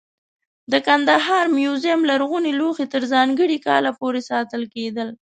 د کندهار موزیم لرغوني لوښي تر ځانګړي کال پورې ساتل کېدل.